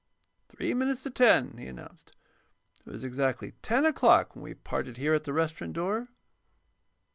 "Three minutes to ten," he announced. "It was exactly ten o'clock when we parted here at the restaurant door."